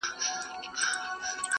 اوس به څه وايي زامنو ته پلرونه.!